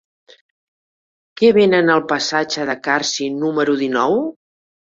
Què venen al passatge de Carsi número dinou?